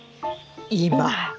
今。